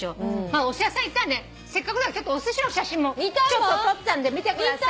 おすし屋さん行ったんでせっかくだからおすしの写真も撮ったんで見てください。